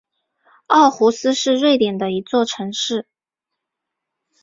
奥胡斯是瑞典的一座城市。